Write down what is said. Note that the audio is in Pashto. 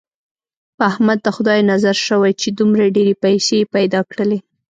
په احمد د خدای نظر شوی، چې دومره ډېرې پیسې یې پیدا کړلې.